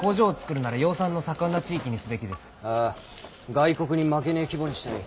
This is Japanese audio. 外国に負けねぇ規模にしたい。